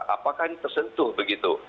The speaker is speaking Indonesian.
apakah ini tersentuh begitu